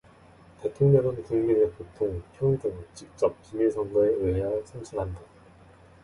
대통령은 국민의 보통, 평등, 직접, 비밀선거에 의하여 선출한다.